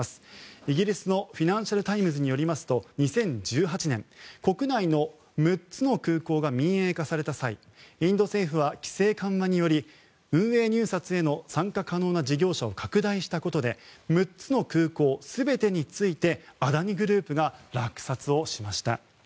イギリスのフィナンシャル・タイムズによりますと２０１８年、国内の６つの空港が民営化された際インド政府は規制緩和により運営入札への参加可能な事業者を拡大したことで６つの空港全てについてアダニ・グループが落札をしました。